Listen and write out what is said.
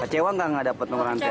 kecewa nggak nggak dapat nomor antrean